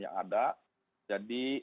yang ada jadi